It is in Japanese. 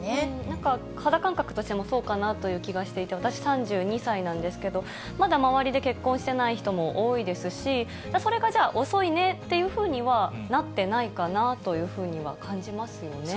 なんか肌感覚としてもそうかなという気がしていて、私３２歳なんですけど、まだ周りで結婚してない人も多いですし、それがじゃあ遅いねっていうふうには、なってないかなというふうには感じますよね。